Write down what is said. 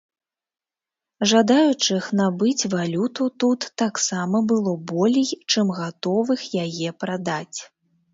Жадаючых набыць валюту тут таксама было болей, чым гатовых яе прадаць.